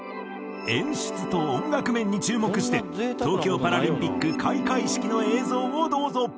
演出と音楽面に注目して東京パラリンピック開会式の映像をどうぞ。